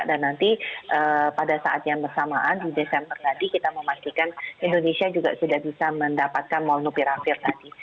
dan nanti pada saat yang bersamaan di desember tadi kita memastikan indonesia juga sudah bisa mendapatkan molnupiravir